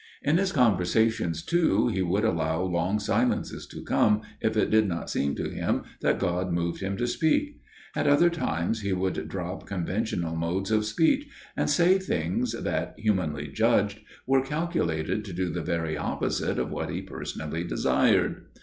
"In his conversations, too, he would allow long silences to come, if it did not seem to him that God moved him to speak; at other times he would drop conventional modes of speech and say things that, humanly judged, were calculated to do the very opposite of what he personally desired.